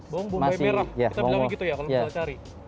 bawang bombay merah kita bilang begitu ya kalau misal cari